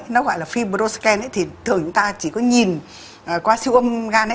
nó gọi là fibroscan thì thường chúng ta chỉ có nhìn qua siêu âm gan ấy